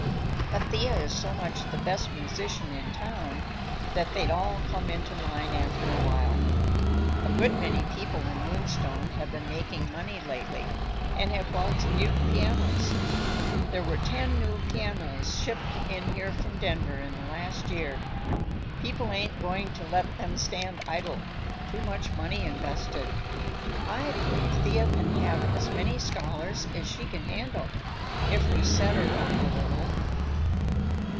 But Thea is so much the best musician in town that they'd all come into line after a while. A good many people in Moonstone have been making money lately, and have bought new pianos. There were ten new pianos shipped in here from Denver in the last year. People ain't going to let them stand idle; too much money invested. I believe Thea can have as many scholars as she can handle, if we set her up a little."